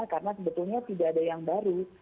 karena sebetulnya tidak ada yang baru